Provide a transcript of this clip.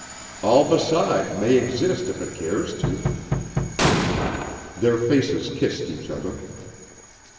All beside may exist if it cares to." Their faces kissed each other.